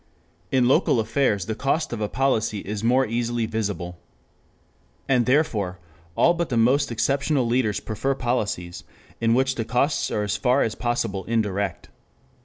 In local affairs the cost of a policy is more easily visible. And therefore, all but the most exceptional leaders prefer policies in which the costs are as far as possible indirect.